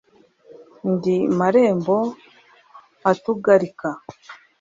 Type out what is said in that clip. ndi marembo atugalika